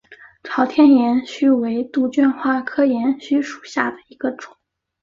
朝天岩须为杜鹃花科岩须属下的一个种。